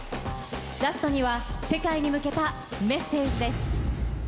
ラストには世界に向けたメッセージです。